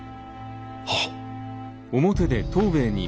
はっ。